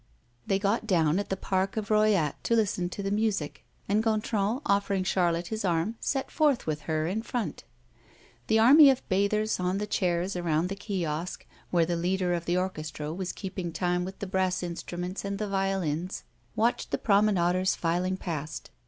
They got down at the park of Royat to listen to the music, and Gontran, offering Charlotte his arm, set forth with her in front. The army of bathers, on the chairs, around the kiosk, where the leader of the orchestra was keeping time with the brass instruments and the violins, watched the promenaders filing past.